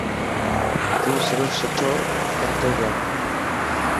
تو صرف سٺو ڪرتو جا.